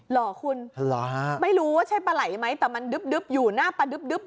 เหรอคุณไม่รู้ว่าใช่ปลาไหล่ไหมแต่มันดึ๊บอยู่หน้าปลาดึ๊บ